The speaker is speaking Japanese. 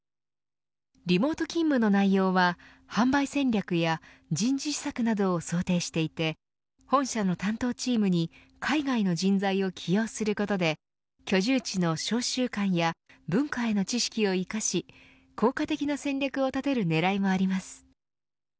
リモート勤務の内容は販売戦略や人事施策などを想定していて本社の担当チームに海外の人材を起用することで居住地の商習慣や文化への知識を生かし効果的な戦略を立てる狙いもあります。